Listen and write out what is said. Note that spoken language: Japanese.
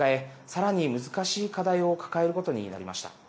さらに難しい課題を抱えることになりました。